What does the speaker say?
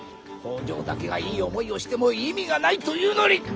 北条だけがいい思いをしても意味がないというのに！